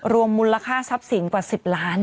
รวมมูลค่าทรัพย์สินกว่า๑๐ล้าน